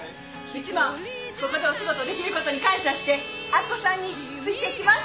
うちもここでお仕事できることに感謝して明子さんについていきます。